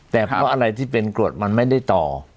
แต่เพราะอะไรที่เป็นกรวดมันไม่ได้ต่อ